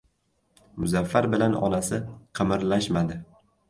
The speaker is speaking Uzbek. Muzaffar bilan onasi qimirlashmadi.